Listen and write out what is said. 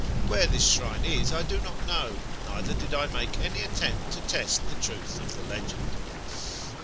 "Where this shrine is I do not know, neither did I make any attempt to test the truth of the legend.